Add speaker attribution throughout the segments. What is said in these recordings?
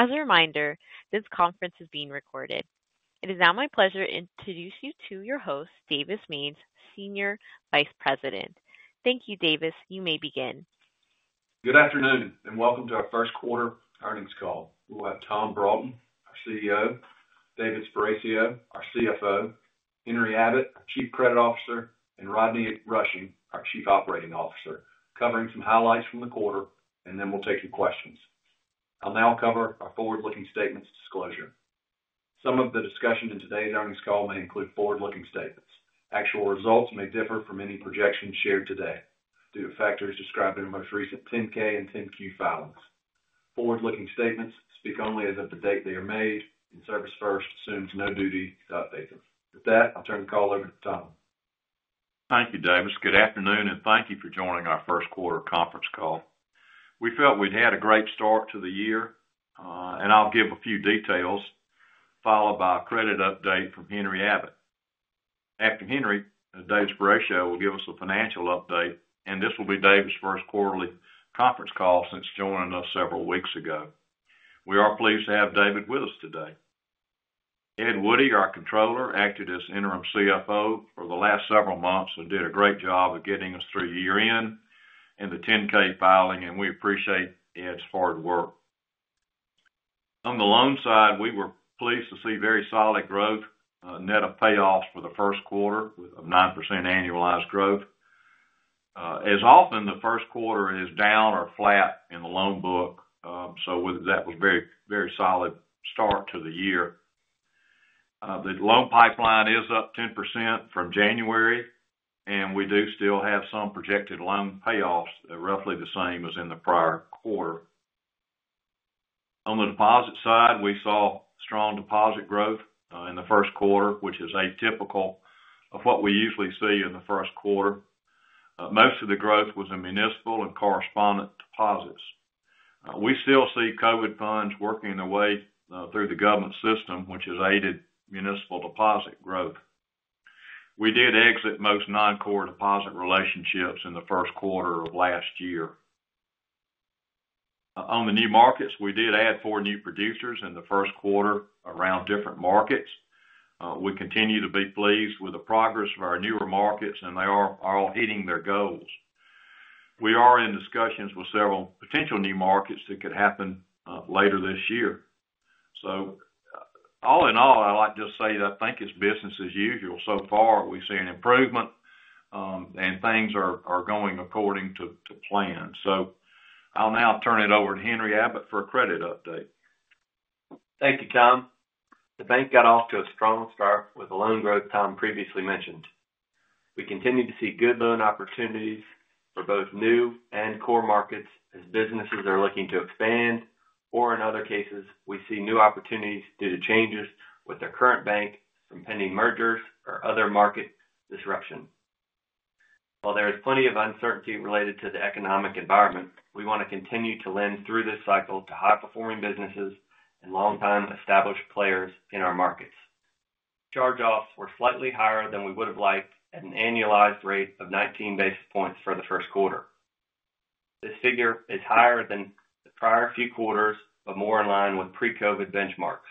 Speaker 1: As a reminder, this conference is being recorded. It is now my pleasure to introduce you to your host, David Sparacio, Senior Vice President. Thank you, David. You may begin.
Speaker 2: Good afternoon and welcome to our First Quarter Earnings Call. We will have Tom Broughton, our CEO, David Sparacio, our CFO, Henry Abbott, our Chief Credit Officer, and Rodney Rushing, our Chief Operating Officer covering some highlights from the quarter and then we'll take your questions. I'll now cover our forward-looking statements disclosure. Some of the discussion in today's earnings call may include forward-looking statements. Actual results may differ from any projections shared today due to factors described in. Our most recent 10-K and 10-Q filings. Forward-looking statements speak only as of the date they are made and ServisFirst assumes no duty to update them. With that, I'll turn the call over to Tom.
Speaker 3: Thank you, David. Good afternoon and thank you for joining our first quarter conference call. We felt we had a great start to the year and I'll give a few details followed by a credit update from Henry Abbott. After Henry, David Sparacio will give us a financial update and this will be David's first quarterly conference call since joining us several weeks ago. We are pleased to have David with us today. Ed Woodie, our Controller, acted as interim CFO for the last several months and did a great job of getting us through year end and the 10-K filing and we appreciate Ed's hard work. On the loan side, we were pleased to see very solid growth net of payoffs for the first quarter, 9% annualized growth. As often the first quarter is down or flat in the loan book. That was a very, very solid start to the year. The loan pipeline is up 10% from January and we do still have some projected loan payoffs, roughly the same as in the prior quarter. On the deposit side, we saw strong deposit growth in the first quarter, which is atypical of what we usually see in the first quarter. Most of the growth was in municipal and correspondent deposits. We still see Covid funds working their way through the government system, which has aided municipal deposit growth. We did exit most non-core deposit relationships in the first quarter of last year. On the new markets, we did add four new producers in the first quarter around different markets. We continue to be pleased with the progress of our newer markets and they. Are all hitting their goals. We are in discussions with several potential new markets that could happen later this year. All in all I like to say that I think it's business as usual. So far we see an improvement and things are going according to plan. I'll now turn it over to Henry Abbott for a credit update.
Speaker 4: Thank you Tom. The bank got off to a strong start with the loan growth. Tom previously mentioned we continue to see good loan opportunities for both new and core markets as businesses are looking to expand or in other cases we see new opportunities due to changes with their current bank from pending mergers or other market disruption. While there is plenty of uncertainty related to the economic environment, we want to continue to lend through this cycle to high performing businesses and longtime established players in our markets. Charge offs were slightly higher than we would have liked at an annualized rate of 19 basis points for the first quarter. This figure is higher than the prior few quarters, but more in line with pre-Covid benchmarks.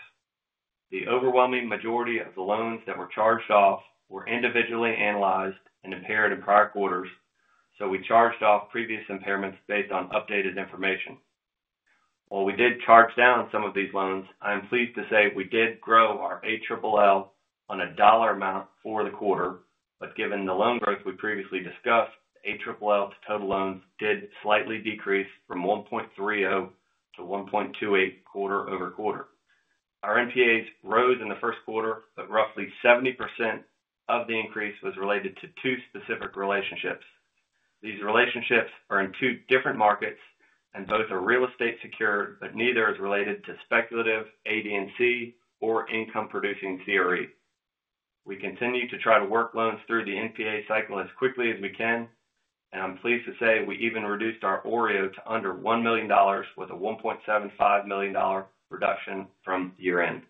Speaker 4: The overwhelming majority of the loans that were charged off were individually analyzed and impaired in prior quarters, so we charged off previous impairments based on updated information. While we did charge down some of these loans, I'm pleased to say we did grow our allowance on a dollar. Amount for the quarter. Given the loan growth we previously discussed, allowance for credit losses to total loans did slightly decrease from 1.30%-1.28% quarter-over-quarter. Our non-performing assets rose in the first quarter, but roughly 70% of the increase was related to two specific relationships. These relationships are in two different markets and both are real estate secured, but neither is related to speculative AD&C or income producing CRE. We continue to try to work loans through the non-performing asset cycle as quickly as we can and I'm pleased to say we even reduced our OREO to under $1 million with a $1.75 million reduction from year end.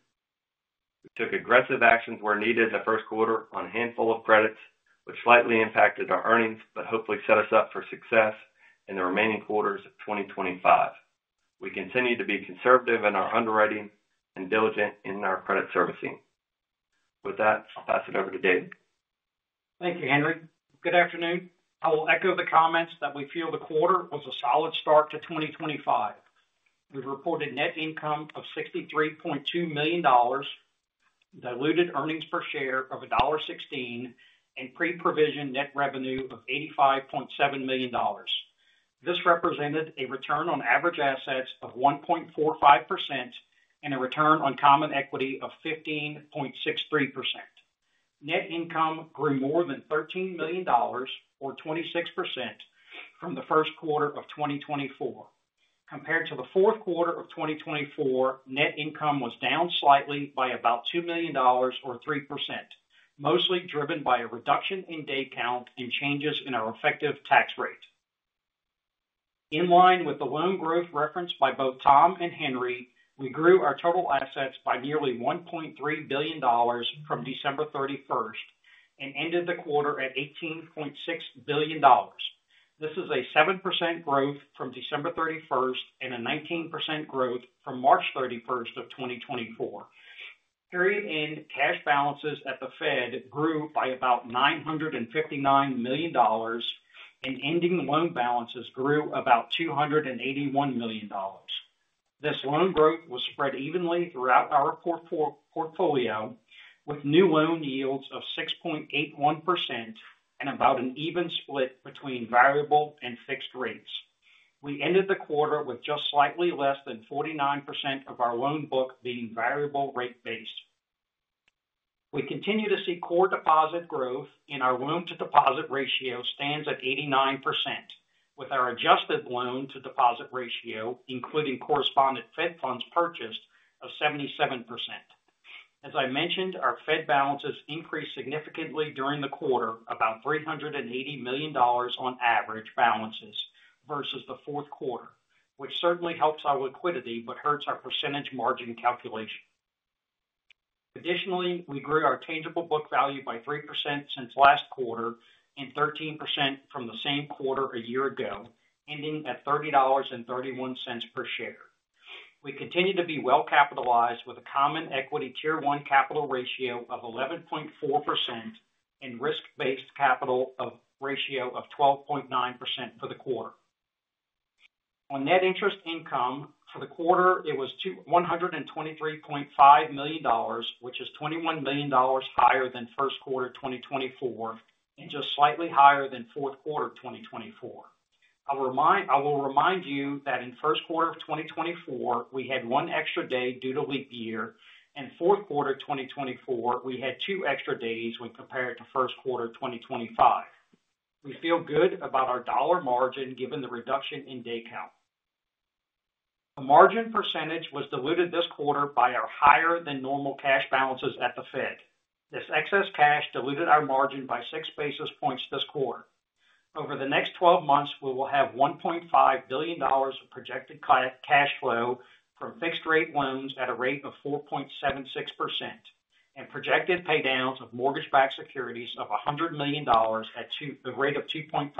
Speaker 4: We took aggressive actions where needed in the first quarter on a handful of credits which slightly impacted our earnings but hopefully set us up for success in the remaining quarters of 2025. We continue to be conservative in our underwriting and diligent in our credit servicing. With that, I'll pass it over to David.
Speaker 5: Thank you, Henry. Good afternoon. I will echo the comments that we feel the quarter was a solid start to 2025. We reported net income of $63.2 million, diluted earnings per share of $1.16, and pre-provision net revenue of $85.7 million. This represented a return on average assets of 1.45% and a return on common equity of 15.63%. Net income grew more than $13 million or 26% from the first quarter of 2024 compared to the fourth quarter of 2024. Net income was down slightly by about $2 million or 3%, mostly driven by a reduction in day count and changes in our effective tax rate. In line with the loan growth referenced by both Tom and Henry, we grew our total assets by nearly $1.3 billion from December 31st and ended the quarter at $18.6 billion. This is a 7% growth from December 31st and a 19% growth from March 31 of the 2024 period. End cash balances at the Fed grew by about $959 million and ending loan balances grew about $281 million. This loan growth was spread evenly throughout our portfolio with new loan yields of 6.81% and about an even split between variable and fixed rates. We ended the quarter with just slightly less than 49% of our loan book being variable rate based. We continue to see core deposit growth in. Our loan to deposit ratio stands at 89% with our adjusted loan to deposit ratio including correspondent Fed funds purchased of 77%. As I mentioned, our Fed balances increased significantly during the quarter, about $380 million on average balances versus the fourth quarter, which certainly helps our liquidity but hurts our percentage margin calculation. Additionally, we grew our tangible book value by 3% since last quarter and 13% from the same quarter a year ago ending at $30.31 per share. We continue to be well capitalized with a common equity tier 1 capital ratio of 11.4% and risk-based capital ratio of 12.9% for the quarter. On net interest income for the quarter it was $123.5 million which is $21 million higher than first quarter 2024 and just slightly higher than fourth quarter 2024. I will remind you that in first quarter of 2024 we had one extra day due to leap year and fourth quarter 2024 we had two extra days when compared to first quarter 2025. We feel good about our dollar margin given the reduction in day count. The margin percentage was diluted this quarter by our higher than normal cash balances at the Fed. This excess cash diluted our margin by 6 basis points this quarter. Over the next 12 months we will have $1.5 billion of projected cash flow from fixed rate loans at a rate of 4.76% and projected paydowns of mortgage backed securities of $100 million at the rate of 2.5%.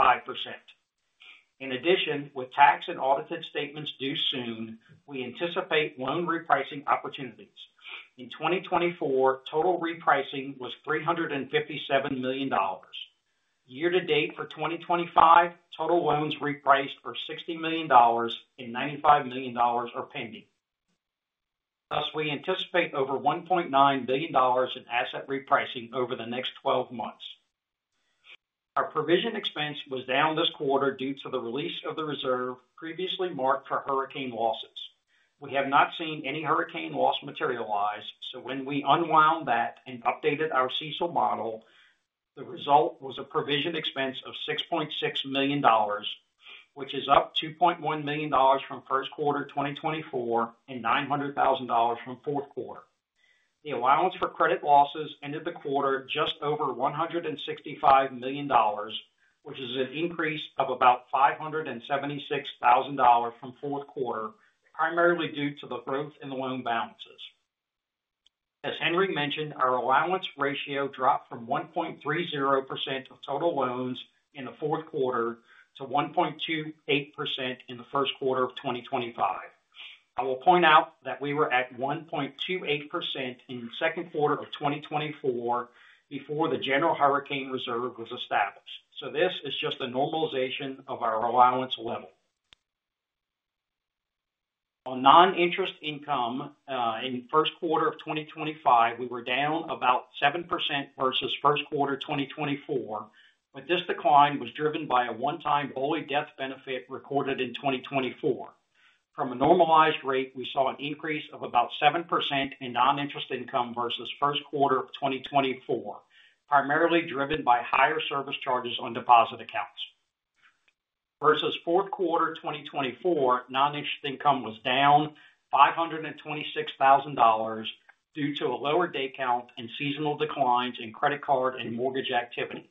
Speaker 5: In addition, with tax and audited statements due soon, we anticipate loan repricing opportunities. In 2024. Total repricing was $357 million year to date for 2025. Total loans repriced are $60 million and $95 million are pending. Thus we anticipate over $1.9 billion in asset repricing over the next 12 months. Our provision expense was down this quarter due to the release of the reserve previously marked for hurricane losses. We have not seen any hurricane loss materialize, so when we unwound that and updated our CECL model the result was a provision expense of $6.6 million which is up $2.1 million from first quarter 2024 and $900,000 from fourth quarter. The allowance for credit losses ended the quarter just over $165 million which is an increase of about $576,000 from fourth quarter primarily due to the growth in the loan balances. As Henry mentioned, our allowance ratio dropped from 1.30% of total loans in the fourth quarter to 1.28% in the first quarter of 2025. I will point out that we were at 1.28% in second quarter of 2024 before the general hurricane reserve was established. This is just a normalization of our allowance level on noninterest income. In first quarter of 2025 we were down about 7% versus first quarter 2024, but this decline was driven by a one time BOLI death benefit recorded in 2024. From a normalized rate we saw an increase of about 7% in non-interest income versus first quarter of 2024 primarily driven by higher service charges on deposit accounts versus fourth quarter 2024. Non-interest income was down $526,000 due to a lower day count and seasonal declines in credit card and mortgage activity.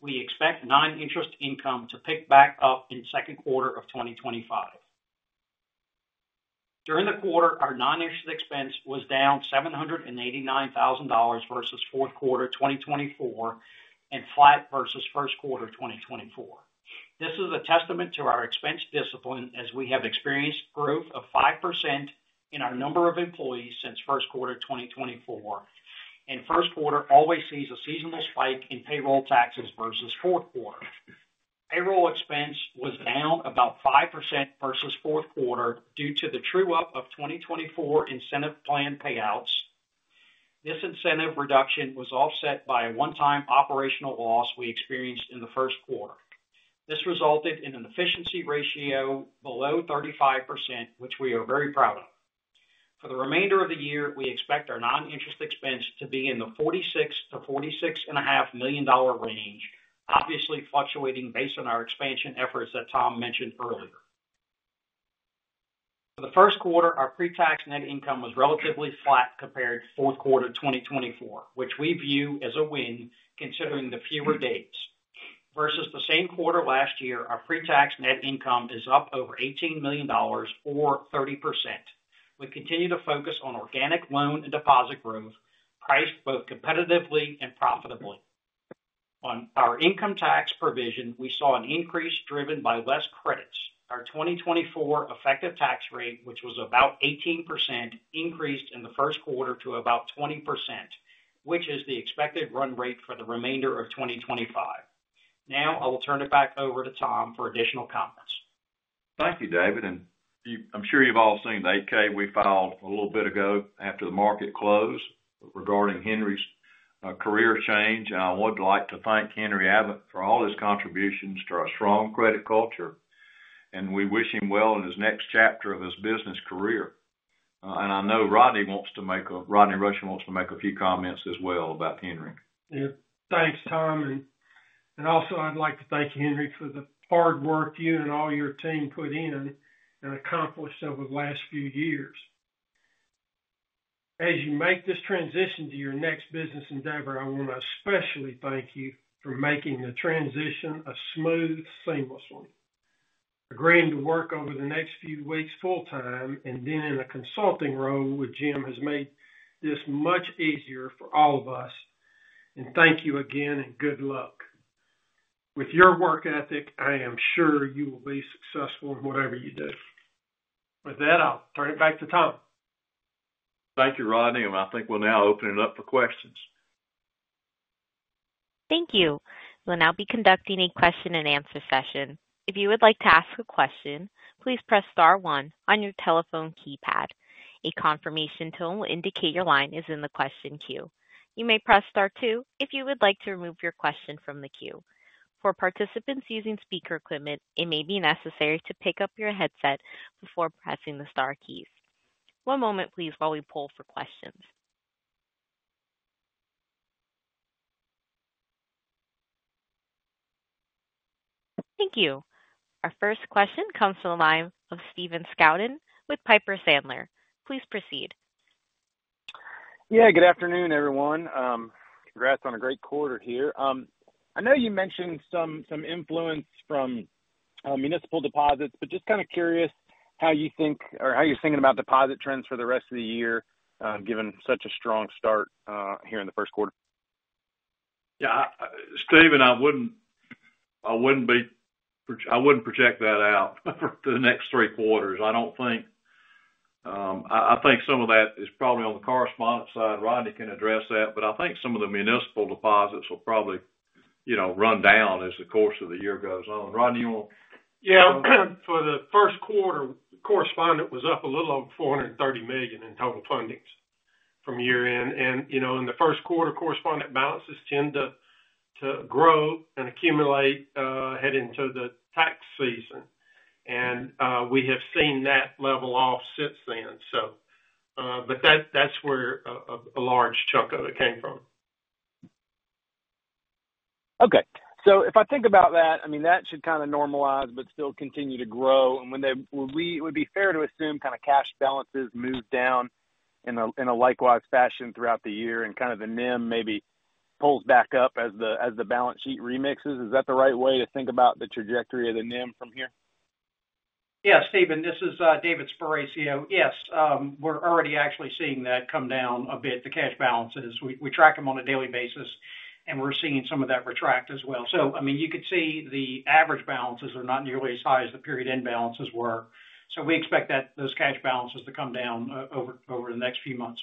Speaker 5: We expect non-interest income to pick back up in second quarter of 2025. During the quarter our non-interest expense was down $789,000 versus fourth quarter 2024 and flat versus first quarter 2024. This is a testament to our expense discipline as we have experienced growth of 5% in our number of employees since first quarter 2024 and first quarter always sees a seasonal spike in payroll taxes versus fourth quarter. Payroll expense was down about 5% versus fourth quarter due to the true up of 2024 incentive plan payouts. This incentive reduction was offset by a one time operational loss we experienced in the first quarter. This resulted in an efficiency ratio below 35% which we are very proud of. For the remainder of the year we expect our non-interest expense to be in the $46 million-$46.5 million range, obviously fluctuating based on our expansion efforts that Tom mentioned earlier. For the first quarter, our pre-tax net income was relatively flat compared to fourth quarter 2024, which we view as a win considering the fewer days. Versus the same quarter last year, our pre-tax net income is up over $18 million or 30%. We continue to focus on organic loan and deposit growth, priced both competitively and profitably. On our income tax provision, we saw an increase driven by less credits. Our 2024 effective tax rate, which was about 18%, increased in the first quarter to about 20%, which is the expected run rate for the remainder of 2025. Now I will turn it back over to Tom for additional comments.
Speaker 3: Thank you, David. I'm sure you've all seen the 8-K we filed a little bit ago after the market closed regarding Henry's career change. I would like to thank Henry Abbott for all his contributions to our strong credit culture and we wish him well in his next chapter of his business career. I know Rodney wants to make—Rodney Rushing wants to make a few comments as well about Henry.
Speaker 6: Thanks, Tom. I would also like to thank Henry for the hard work you and all your team put in and accomplished over the last few years as you make this transition to your next business endeavor. I want to especially thank you for making the transition a smooth, seamless one. Agreeing to work over the next few weeks full time and then in a consulting role with Jim has made this much easier for all of us. Thank you again and good luck. With your work ethic. I am sure you will be successful in whatever you do with that. I'll turn it back to Tom.
Speaker 3: Thank you, Rodney. I think we'll now open it up for questions.
Speaker 1: Thank you. We will now be conducting a question and answer session. If you would like to ask a question, please press star one on your telephone keypad. A confirmation tone will indicate your line is in the question queue. You may press star two if you would like to remove your question from the queue. For participants using speaker equipment, it may be necessary to pick up your headset before pressing the star keys. One moment, please, while we poll for questions. Thank you. Our first question comes from the line of Stephen Scouten with Piper Sandler. Please proceed.
Speaker 7: Yeah, good afternoon, everyone. Congrats on a great quarter here. I know you mentioned some influence from municipal deposits, but just kind of curious how you think, or how you're thinking about deposit trends for the rest of the year given such a strong start here in the first quarter.
Speaker 3: Yeah, Stephen, I wouldn't. I wouldn't be. I wouldn't project that out for the next three quarters. I don't think, I think some of that is probably on the correspondent side. Rodney can address that, but I think some of the municipal deposits will probably, you know, run down as the course of the year goes on. Rodney, you want to.
Speaker 6: Yeah, for the first quarter, correspondent was up a little over $430 million in total fundings from year end. You know, in the first quarter, correspondent balances tend to grow and accumulate heading into the tax season and we have seen that level off since then. That is where a large chunk of it came from.
Speaker 7: Okay. If I think about that, I mean that should kind of normalize but still continue to grow and when they would be fair to assume kind of cash balances move down in a likewise fashion throughout the year and kind of. The NIM maybe pulls back up as. As the balance sheet remixes, is that the right way to think about the trajectory of the NIM from here?
Speaker 5: Yes. Stephen, this is David Sparacio. Yes, we're already actually seeing that come down a bit. The cash balances, we track them on a daily basis and we're seeing some of that retract as well. I mean, you could see the average balances are not nearly as high as the period end balances were. We expect that those cash balances to come down over the next few months.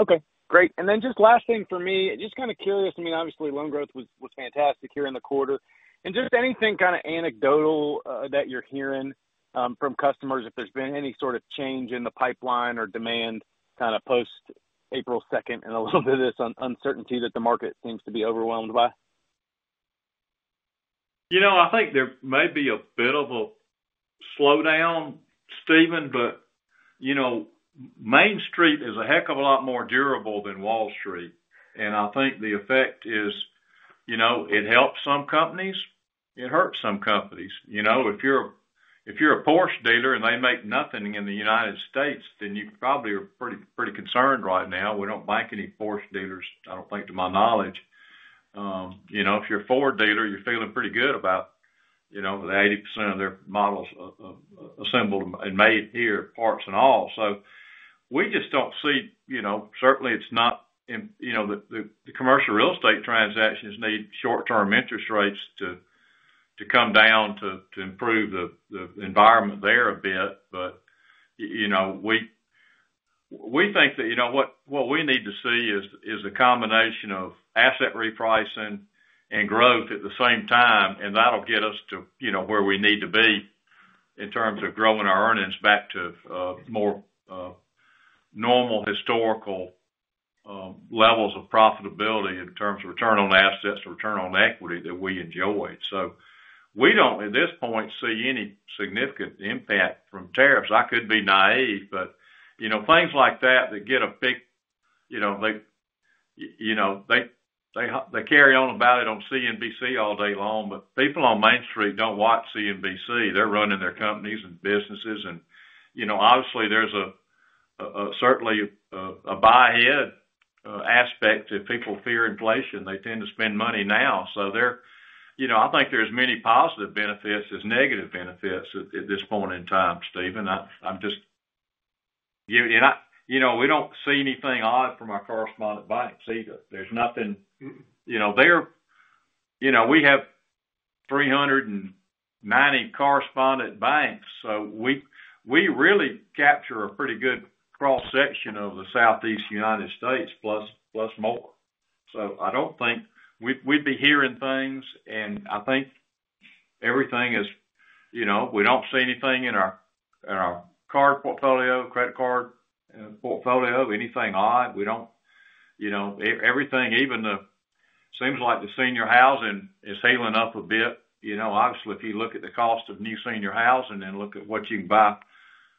Speaker 7: Okay, great. Just last thing for me, just kind of curious, I mean, obviously loan growth was fantastic here in the quarter. Just anything kind of anecdotal that you're hearing from customers, if there's been any sort of change in the pipeline or demand kind of post April 2nd and a little bit of this uncertainty that the market seems to be overwhelmed by.
Speaker 5: You know, I think there may be a bit of a slowdown, Stephen, but you know, Main Street is a heck of a lot more durable than Wall Street. I think the effect is, you know, it helps some companies, it hurts some companies. You know, if you're a Porsche dealer and they make nothing in the United States, then you probably are pretty, pretty concerned right now. We do not bank any Porsche dealers. I do not think to my knowledge, you know, if you're a Ford dealer, you're feeling pretty good about, you know, the 80% of their models assembled and made here, parts and all. We just do not see, you know, certainly it is not, you know, the commercial real estate transactions need short term interest rates to come down to improve the environment there a bit. We think that, you know, what we need to see is a combination of asset repricing and growth at the same time. That will get us to where we need to be in terms of growing our earnings back to more normal historical levels of profitability in terms of return on assets, return on equity that we enjoy. We do not at this point see any significant impact from tariffs. I could be naive, but you know, things like that, that get a big, you know, they carry on about it on CNBC all day long. People on Main Street do not watch CNBC. They are running their companies and businesses and you know, obviously there is certainly a buy-ahead aspect. If people fear inflation, they tend to spend money now. They're, you know, I think there's as many positive benefits as negative benefits at this point in time, Stephen. I'm just, you know, we don't see anything odd from our correspondent banks either. There's nothing, you know, they're, you know, we have 390 correspondent banks so we really capture a pretty good cross section of the southeast United States, plus more. I don't think we'd be hearing things and I think everything is, you know, we don't see anything in our card portfolio, credit card portfolio, anything odd. We don't, you know, everything. Even the, seems like the senior housing is healing up a bit. You know, obviously if you look at the cost of new senior housing and look at what you can buy,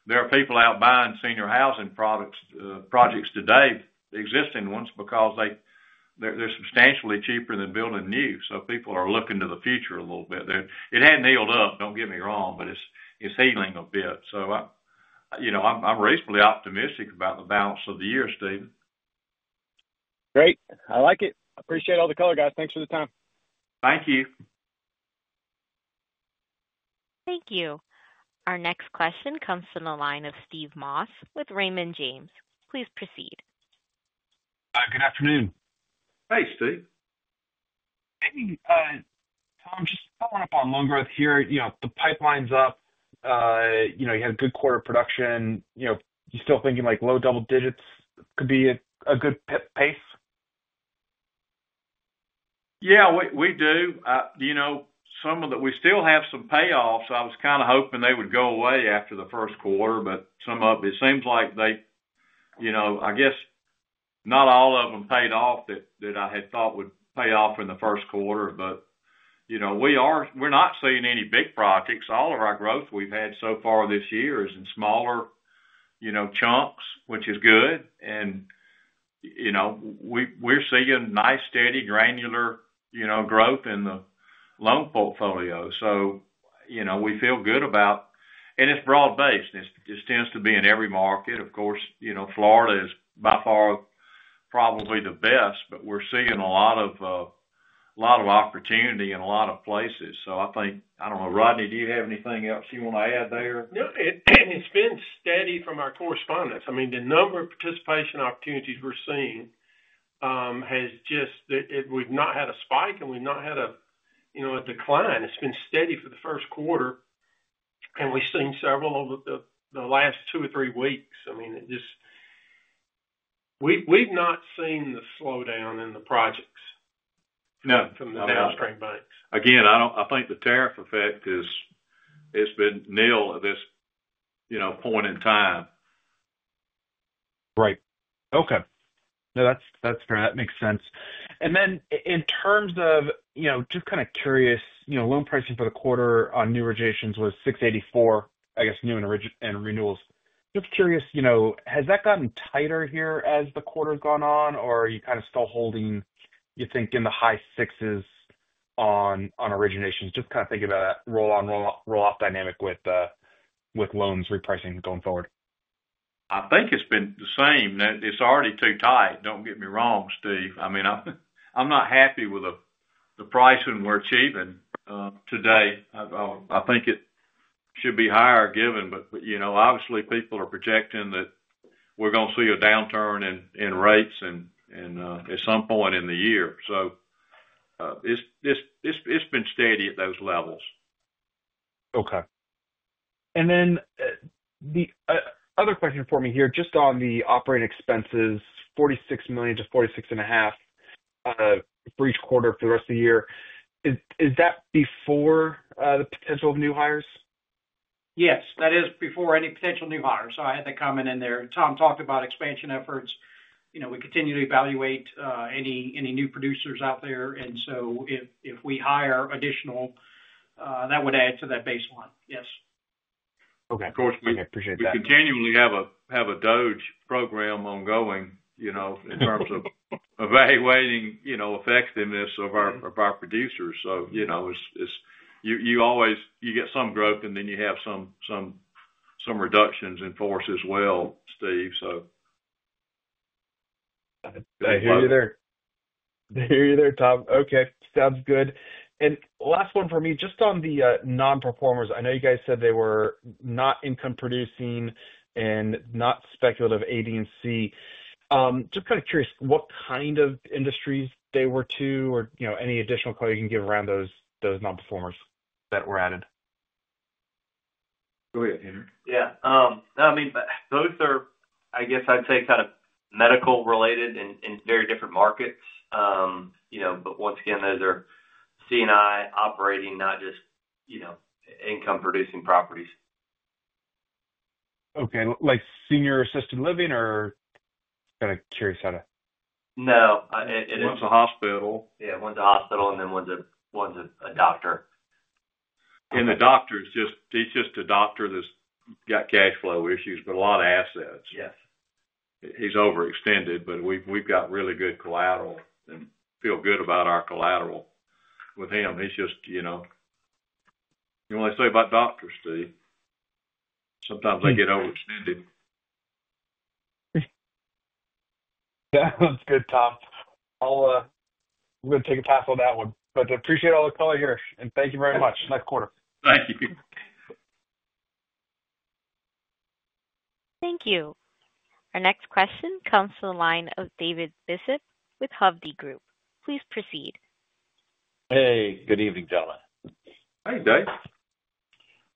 Speaker 5: there are people out buying senior housing projects today, the existing ones because they're substantially cheaper than building new. People are looking to the future a little bit. It had not healed up, do not get me wrong. It is healing a bit. You know, I am reasonably optimistic about the balance of the year. Stephen.
Speaker 7: Great. I like it. Appreciate all the color, guys. Thanks for the time.
Speaker 5: Thank you.
Speaker 1: Thank you. Our next question comes from the line of Steve Moss with Raymond James. Please proceed.
Speaker 8: Good afternoon.
Speaker 3: Hey, Steve.
Speaker 8: Maybe Tom, just following up. On loan growth here. You know, the pipeline's up, you know you had a good quarter production. You know, you still thinking like low double digits could be a good pace?
Speaker 3: Yeah, we do, you know, some of that, we still have some payoffs. I was kind of hoping they would go away after the first quarter, but some of it seems like they, you know, I guess not all of them paid off that I had thought would pay off in the first quarter. You know, we are, we're not seeing any big projects. All of our growth we've had so far this year is in smaller, you know, chunks, which is good. You know, we, we're seeing nice, steady, granular, you know, growth in the loan portfolio. You know, we feel good about. And it's broad based. It tends to be in every market. Of course, you know, Florida is by far probably the best, but we're seeing a lot of, a lot of opportunity in a lot of places. I think, I don't know. Rodney, do you have anything else you want to add there?
Speaker 6: It's been steady from our correspondence. I mean, the number of participation opportunities we're seeing has just, we've not had a spike and we've not had a, you know, a decline. It's been steady for the first quarter and we've seen several of the last two or three weeks. I mean, it just, we've not seen the slowdown in the projects from the downstream banks. Again, I don't, I think the tariff effect is, it's been NIL at this, you know, point in time.
Speaker 8: Right, okay. No, that's fair. That makes sense. In terms of, you know, just kind of curious, you know, loan pricing for the quarter on new originations was 684, I guess, new and renewals. Just curious, you know, has that gotten tighter here as the quarter's gone on or are you kind of still holding? You think, in the high sixes on originations? Just kind of thinking about that roll. On roll off dynamic with loans repricing going forward? I think it's been the same. It's already too tight.
Speaker 3: Don't get me wrong, Steve. I mean, I'm not happy with the pricing we're achieving today. I think it should be higher given. Obviously people are projecting that we're going to see a downturn in rates at some point in the year. It's been steady at those levels.
Speaker 8: Okay. The other question for me. Here, just on the operating expenses, $46 million-$46.5 million for each quarter for the rest of the year. Is that before the potential of new hires?
Speaker 5: Yes, that is before any potential new hire. I had to comment in there. Tom talked about expansion efforts. You know, we continue to evaluate any new producers out there. If we hire additional, that would add to that baseline. Yes.
Speaker 8: Okay, I appreciate that.
Speaker 3: Continually have a DOGE program ongoing, you know, in terms of evaluating, you know, effectiveness of our, of our producers. You always, you get some growth and then you have some, some, some reductions in force as well Steve.
Speaker 8: I hear you there. You there Tom. Okay, sounds good. Last one for me just on the non performers. I know you guys said they were not income producing and not speculative A. D and C. Just kind of curious what kind of industries they were to or you know any additional color you. Can you give around those, those non performers that were added.
Speaker 3: Go ahead, Henry.
Speaker 4: Yeah, I mean both are, I guess I'd say, kind of medical related in very different markets, you know, but once again those are C&I operating, not just, you know, income producing properties.
Speaker 8: Okay. Like senior-assisted living or got a curious on a.
Speaker 4: No, one is a hospital. Yeah, one is a hospital and then one is a one is a doctor and the doctor, he's just a doctor that's got cash flow issues but a lot of assets.
Speaker 3: Yes, he's overextended but we've got really good collateral. Feel good about our collateral with him. He's just, you know, you only say about doctors, Steve, sometimes they get overextended.
Speaker 8: Yeah, that's good Tom. I'm going to take a pass on that one but appreciate all the color. Here and thank you very much. Next quarter.
Speaker 3: Thank you.
Speaker 1: Thank you. Our next question comes to the line of David Bishop with Hovde Group. Please proceed.
Speaker 9: Hey, good evening gentlemen.
Speaker 3: Hi Dave.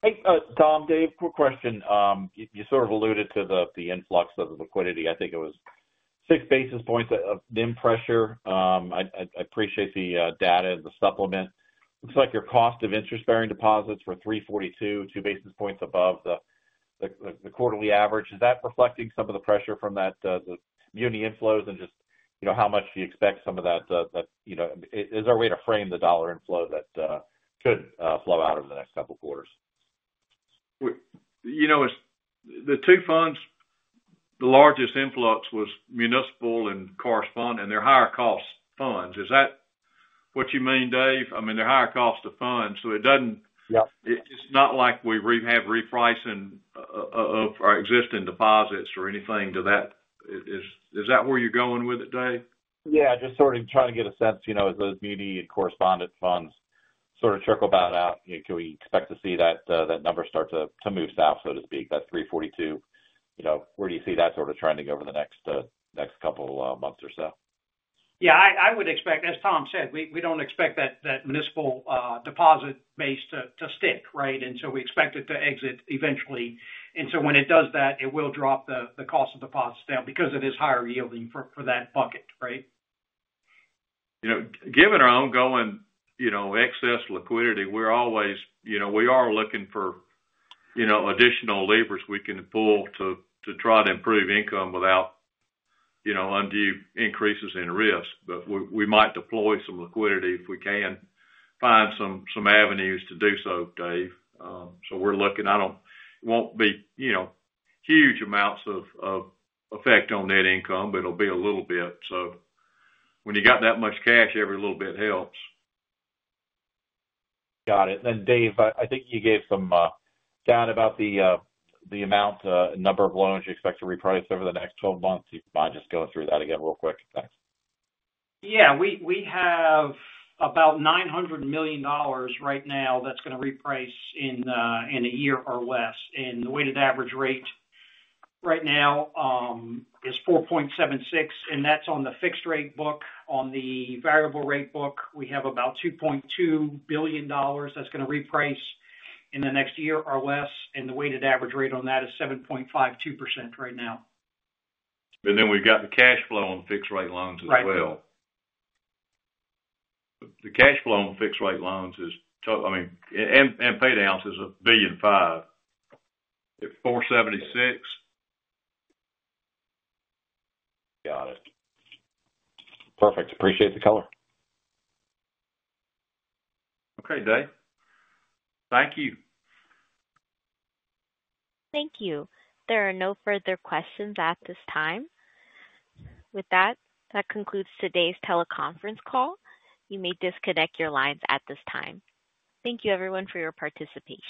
Speaker 9: Hey Tom. Dave, quick question. You sort of alluded to the influx of liquidity. I think it was six basis points of NIM pressure. I appreciate the data. And the supplement looks like your cost of interest bearing deposits were 342 basis points above the quarterly average. Is that reflecting some of the pressure from that muni inflows and just, you know, how much you expect some of that, you know, is there a way to frame the dollar inflow that could flow out over the next couple quarters?
Speaker 5: You know the two funds, the largest influx was municipal and correspondent, and they're higher cost funds, is that what you mean, Dave? I mean, they're higher cost of funds. So it doesn't, Yeah. It's not like we have repricing of our existing deposits or anything to that. Is that where you're going with it, Dave? Yeah, just sort of trying to get a sense, you know, as those media and correspondent funds sort of trickle about out, can we expect to see that that number start to move south, so to speak, that 342, you know, where do you see that sort of trending over the next couple months or so?
Speaker 9: Yeah, I would expect as Tom said we do not expect that municipal deposit base to stick. Right. We expect it to exit eventually. When it does that, it will drop the cost of deposits down because it is higher yielding for that bucket.
Speaker 3: Right. You know, given our ongoing, you know, excess liquidity, we're always, you know, we are looking for, you know, additional levers we can pull to try to improve income without, you know, undue increases in risk. We might deploy some liquidity if we can find some, some avenues to do so, Dave. We're looking. I don't. It won't be, you know, huge amounts of effect on net income, but it'll be a little bit. When you got that much cash, every little bit helps.
Speaker 9: Got it. Then, Dave, I think you gave some data about the amount, number of loans you expect to reprice over the next 12 months. If you mind just going through that again real quick. Thanks.
Speaker 5: Yeah, we have about $900 million right now. That's going to reprice in a year or less. The weighted average rate right now is 4.76%. That's on the fixed rate book. On the variable rate book, we have about $2.2 billion that's going to reprice in the next year or less. The weighted average rate on that is 7.52% right now. We have the cash flow on fixed rate loans as well. The cash flow on fixed rate loans is, I mean, and pay downs is $1.5 billion at $476 million.
Speaker 9: Got it. Perfect. Appreciate the color.
Speaker 5: Okay, Dave, thank you.
Speaker 1: Thank you. There are no further questions at this time. With that, that concludes today's teleconference call. You may disconnect your lines at this time. Thank you, everyone, for your participation.